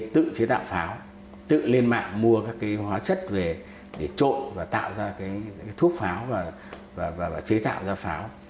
tự chế tạo pháo tự lên mạng mua các hóa chất về để trộn và tạo ra thuốc pháo và chế tạo ra pháo